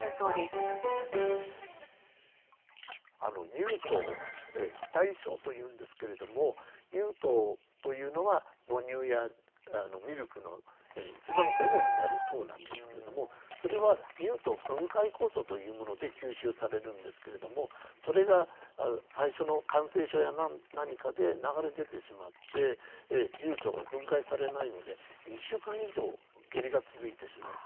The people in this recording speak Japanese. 乳糖不耐症というんですけれども乳糖というのは母乳やミルクの一番主になる糖なんですけれどもそれは乳糖分解酵素というもので吸収されるんですけれどもそれが最初の感染症や何かで流れ出てしまって乳糖が分解されないので２週間以上下痢が続いてしまう。